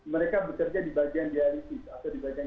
mereka bekerja di bagian dialisis atau di bagian